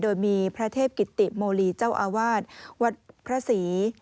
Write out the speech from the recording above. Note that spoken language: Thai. โดยมีพระเทพกิติโมลีเจ้าอาวาสวัดพระศรี